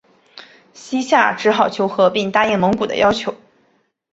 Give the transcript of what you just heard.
西夏只好求和并答应蒙古的要求。